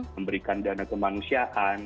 memberikan dana kemanusiaan